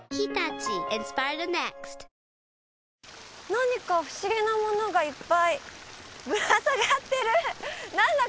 何か不思議なものがいっぱいぶら下がってる何だ？